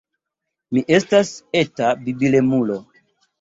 Mi estas eta babilemulo.